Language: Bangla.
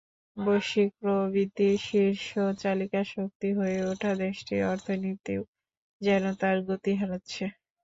বৈশ্বিক প্রবৃদ্ধির শীর্ষ চালিকাশক্তি হয়ে ওঠা দেশটির অর্থনীতিও যেন তার গতি হারাচ্ছে।